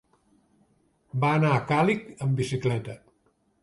Va anar a Càlig amb bicicleta.